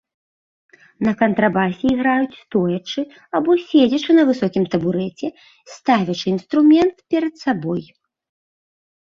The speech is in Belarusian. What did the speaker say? На кантрабасе іграюць стоячы або седзячы на высокім табурэце, ставячы інструмент перад сабой.